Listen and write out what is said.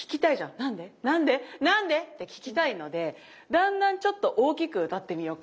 何で何で何でって聞きたいのでだんだんちょっと大きく歌ってみようか。